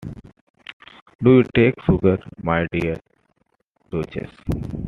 Do you take sugar, my dear Duchess?